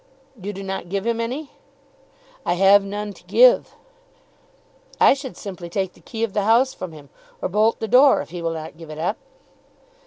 "You do not give him any?" "I have none to give." "I should simply take the key of the house from him, or bolt the door if he will not give it up."